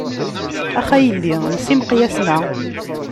Ax a yelli els imeqyasen-a.